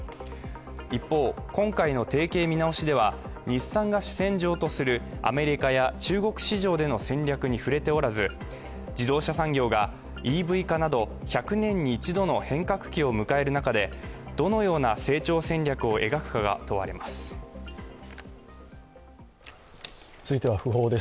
一方、今回の提携見直しでは日産が主戦場とするアメリカや中国市場への戦略に触れておらず自動車産業がＥＶ化など１００年に一度の変革期を迎える中でどのような成長戦略を描くかが問われます。